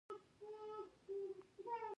د دوی د مینې کیسه د باغ په څېر تلله.